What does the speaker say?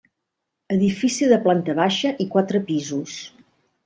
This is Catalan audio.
Edifici de planta baixa i quatre pisos.